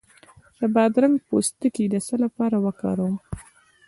د بادرنګ پوستکی د څه لپاره وکاروم؟